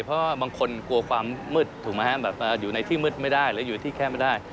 เพราะบางคนกลัวความมืดถูกไหมฮะแบบอยู่ในที่มืดไม่ได้หรืออยู่ที่แคบไม่ได้